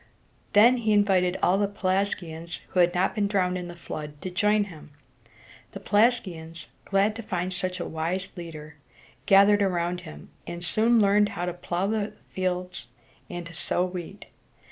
Then he invited all the Pelasgians who had not been drowned in the flood to join him. The Pelasgians, glad to find such a wise leader, gathered around him, and they soon learned to plow the fields and to sow wheat.